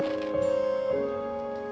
aku akan menjaga dia